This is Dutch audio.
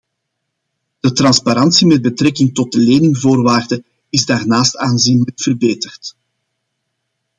De transparantie met betrekking tot de leningvoorwaarden is daarnaast aanzienlijk verbeterd.